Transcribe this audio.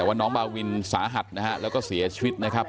เพื่อนเนี่ยเสียชีวิตไป๒ศพนะฮะ